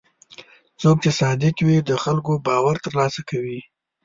څوک چې صادق وي، د خلکو باور ترلاسه کوي.